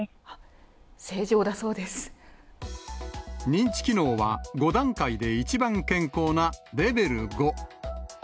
認知機能は５段階で一番健康なレベル５。